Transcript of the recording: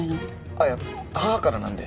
あっいや母からなんで。